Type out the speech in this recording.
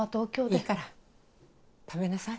いいから食べなさい。